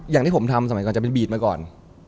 อย่างที่ผมทำสมัยก่อนจะเป็นบีดมาก่อน